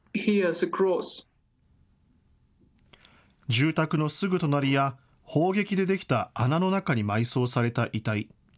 住宅のすぐ隣や砲撃でできた穴の中に埋葬された遺体。